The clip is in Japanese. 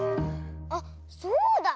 あっそうだ。